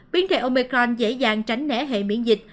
biến thể omicron dễ dàng tránh nẻ hệ miễn dịch